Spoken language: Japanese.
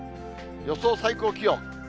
予想最高気温。